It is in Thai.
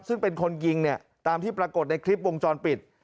ซึ่งเป็นคนยิงเนี่ยตามที่ปรากฏในคลิปวงจรปิด